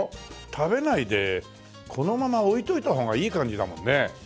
食べないでこのまま置いておいた方がいい感じだもんね。